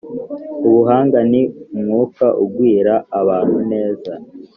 Ubuhanga ni umwuka ugwira abantu neza,